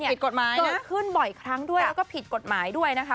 ผิดกฎหมายเกิดขึ้นบ่อยครั้งด้วยแล้วก็ผิดกฎหมายด้วยนะคะ